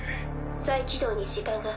再起動に時間が。